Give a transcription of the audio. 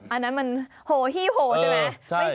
อันนั้นมันโหหี้โหใช่ไหม